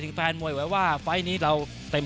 ก็เปิดเวทีครับ